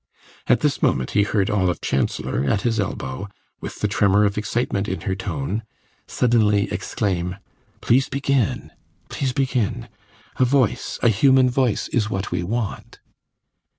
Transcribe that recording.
At this moment he heard Olive Chancellor, at his elbow, with the tremor of excitement in her tone, suddenly exclaim: "Please begin, please begin! A voice, a human voice, is what we want."